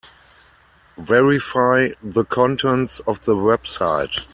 Verify the contents of the website.